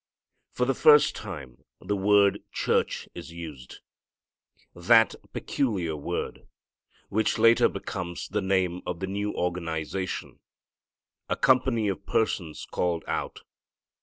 For the first time the word church is used, that peculiar word which later becomes the name of the new organization, "a company of persons called out."